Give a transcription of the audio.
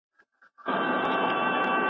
مخ يې تور په ونه جگ په اوږو پلن وو